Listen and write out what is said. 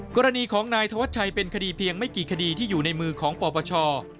กรณีของนายธวัชชัยเป็นคดีเพียงไม่กี่คดีที่อยู่ในมือของปปช